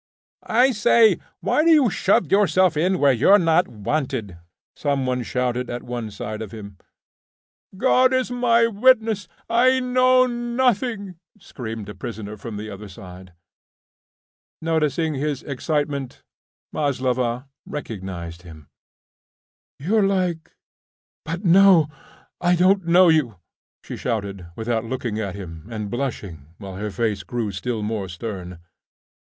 "I say, why do you shove yourself in where you're not wanted?" some one shouted at one side of him. "God is my witness; I know nothing," screamed a prisoner from the other side. Noticing his excitement, Maslova recognised him. "You're like ... but no; I don't know you," she shouted, without looking at him, and blushing, while her face grew still more stern.